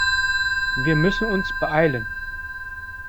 Wir müssen uns beeilen.